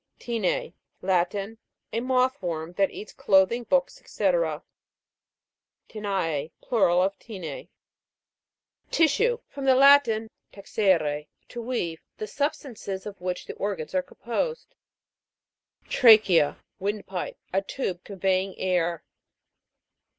TI'NEA. Latin. A moth worm, that eats clothing, books, &c. TI'NE.E. Plural of tinea. TIS'SUE. From the Latin, texere, to weave. The substances of which the organs are composed. TRA'CHEA (tra'ke a). Wind pipe ; a tube conveying air.